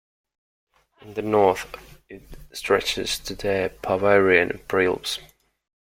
In the north it stretches to the Bavarian Prealps.